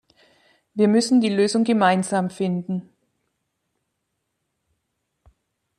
Wir müssen die Lösung gemeinsam finden.